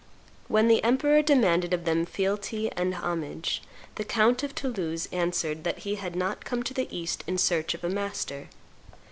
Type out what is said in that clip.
When the emperor demanded of them fealty and homage, the count of Toulouse answered that he had not come to the East in search of a master.